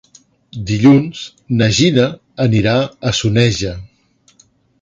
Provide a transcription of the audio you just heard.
Dilluns na Gina anirà a Soneja.